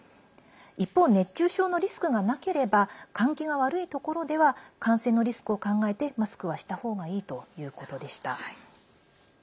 一方、熱中症のリスクがなければ換気が悪いところでは感染のリスクを考えてマスクはしたほうがいいということでした。